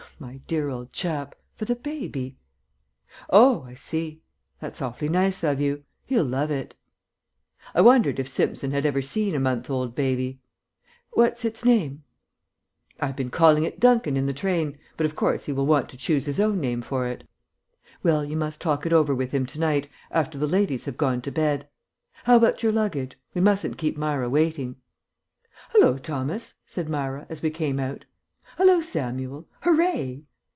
"My dear old chap, for the baby." "Oh, I see. That's awfully nice of you. He'll love it." I wondered if Simpson had ever seen a month old baby. "What's its name?" "I've been calling it Duncan in the train, but, of course, he will want to choose his own name for it." "Well, you must talk it over with him to night after the ladies have gone to bed. How about your luggage? We mustn't keep Myra waiting." "Hallo, Thomas!" said Myra, as we came out. "Hallo, Samuel! Hooray!"